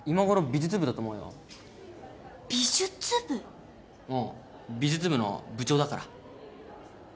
美術部の部長だから。